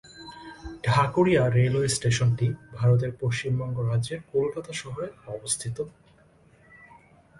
Dhakuria railway স্টেশনটি ভারতের পশ্চিমবঙ্গ রাজ্যের কলকাতা শহরে অবস্থিত।